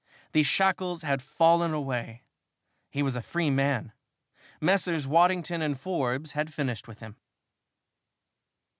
The shackles had fallen away. He was a free man. Messrs. Waddington & Forbes had finished with him.